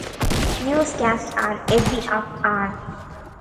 Newscasts air every half hour.